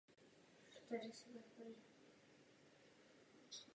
Mág používá kouzla na zničení nepřátel.